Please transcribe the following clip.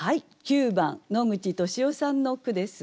９番野口利夫さんの句です。